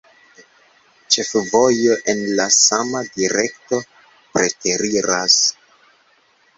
Ĉefvojo en la sama direkto preteriras.